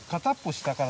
下から。